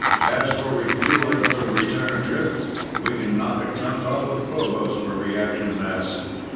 As for refueling for the return trip, we can knock a chunk off of Phobos for reaction mass."